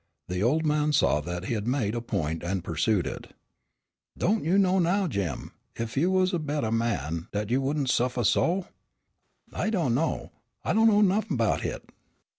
The old man saw that he had made a point and pursued it. "Don' you reckon now, Jim, ef you was a bettah man dat you wouldn' suffah so?" "I do' know, I do' know nuffin' 'bout hit."